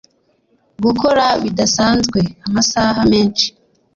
gukora bidasanzwe amasaha menshi